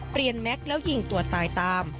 เปลี่ยนแม็กซ์แล้วยิงตัวตายตาม